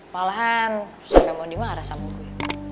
malahan sampai moni mah ngerasa sama gue